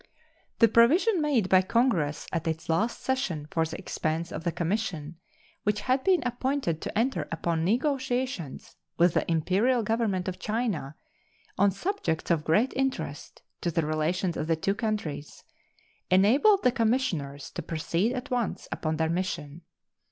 The provision made by Congress at its last session for the expense of the commission which had been appointed to enter upon negotiations with the Imperial Government of China on subjects of great interest to the relations of the two countries enabled the commissioners to proceed at once upon their mission.